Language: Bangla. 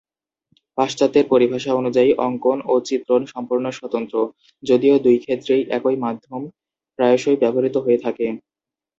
পাশ্চাত্যের পরিভাষা অনুযায়ী, অঙ্কন ও চিত্রণ সম্পূর্ণ স্বতন্ত্র, যদিও দুই ক্ষেত্রেই একই মাধ্যম প্রায়শই ব্যবহৃত হয়ে থাকে।